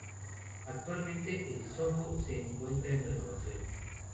Actualmente el zoco se encuentra en renovación.